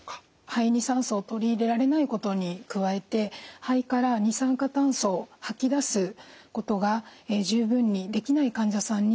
肺に酸素を取り入れられないことに加えて肺から二酸化炭素を吐き出すことが十分にできない患者さんに使います。